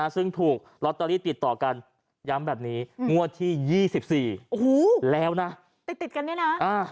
ซึ่งถูกลอตเตอรี่ติดต่อกันย้ำแบบนี้งวดที่๒๔แล้วนะติดกันเนี่ยนะ